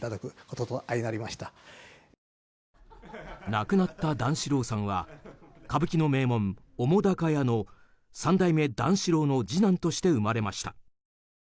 亡くなった段四郎さんは歌舞伎の名門・澤瀉屋の三代目段四郎の次男として生まれました。